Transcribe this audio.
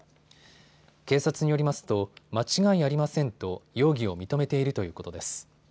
警察によりますと間違いありませんと容疑を認めているということです。